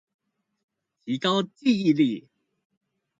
提高記憶力